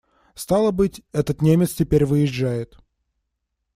Стало быть, этот немец теперь выезжает.